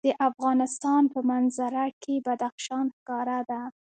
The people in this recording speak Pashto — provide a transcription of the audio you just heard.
د افغانستان په منظره کې بدخشان ښکاره ده.